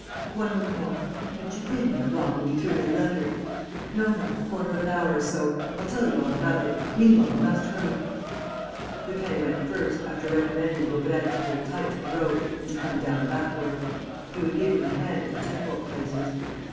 "One word more. Had you been there long when you threw me the letter?" "No, no. A quarter of an hour or so. I'll tell you all about it.... Meanwhile, we must hurry." Lupin went first, after recommending Daubrecq to hold tight to the rope and to come down backward. He would give him a hand at the difficult places.